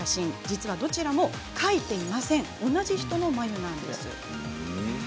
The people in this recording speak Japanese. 実はどちらも描いていない同じ人の眉毛なんですよ。